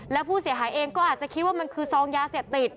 แล้วผู้เสียหายเองก็อาจจะคิดว่ามันคือซองยาเสพติด